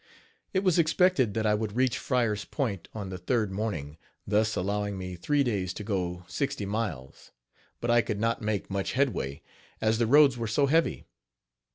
It was expected that I would reach Fryer's Point on the third morning, thus allowing me three days to go sixty miles; but I could not make much headway, as the roads were so heavy.